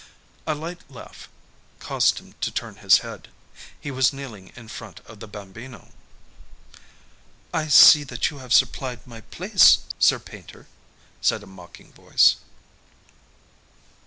A light laugh caused him to turn his head. He was kneeling in front of the Bambino. "I see that you have supplied my place, Sir Painter," said a mocking voice.